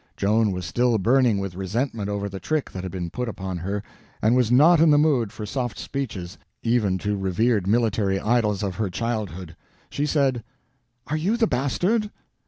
Joan was still burning with resentment over the trick that had been put upon her, and was not in the mood for soft speeches, even to revered military idols of her childhood. She said: "Are you the bastard?"